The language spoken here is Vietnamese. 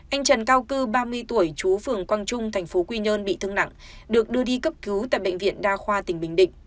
anh trần cao cư ba mươi tuổi chú phường quang trung tp quy nhơn bị thương nặng được đưa đi cấp cứu tại bệnh viện đa khoa tỉnh bình định